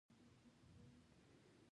دا پوهنې اجتماعي تحولاتو په اړه دي.